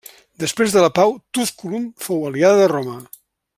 Després de la pau Túsculum fou aliada de Roma.